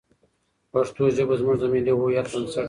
پښتو ژبه زموږ د ملي هویت بنسټ دی.